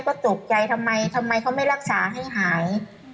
ก็ตกใจทำไมทำไมเขาไม่รักษาให้หาย